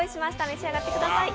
召し上がってください。